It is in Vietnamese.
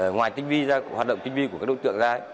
ngoài tinh vi ra hoạt động tinh vi của các đối tượng ra